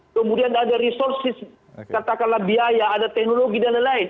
kemudian ada resources katakanlah biaya ada teknologi dan lain lain